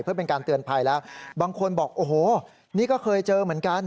เพื่อเป็นการเตือนภัยแล้วบางคนบอกโอ้โหนี่ก็เคยเจอเหมือนกัน